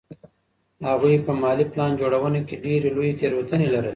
هغوی په مالي پلان جوړونه کې ډېرې لویې تېروتنې لرلې.